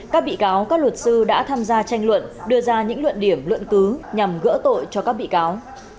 các bị cáo các luật sư đã tham gia tranh luận đưa ra những luận điểm luận cứ nhằm gỡ tội cho các bị cáo